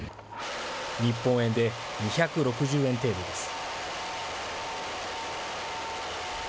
日本円で２６０円程度です。